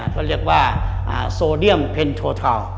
ก็เรียกว่าโซเดียมเพ็ญโททอล